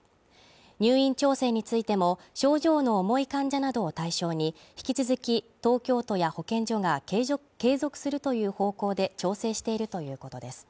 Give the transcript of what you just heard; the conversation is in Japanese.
入院調整についても症状の重い患者などを対象に、引き続き東京都や保健所が継続するという方向で調整しているということです。